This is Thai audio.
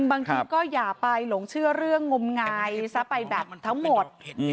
บางทีก็อย่าไปหลงเชื่อเรื่องงมงายซะไปแบบทั้งหมด